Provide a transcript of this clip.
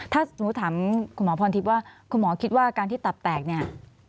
ถ้าสมมุติถามคุณหมอพรทิพย์ว่าคุณหมอคิดว่าการที่ตับแตกเนี่ย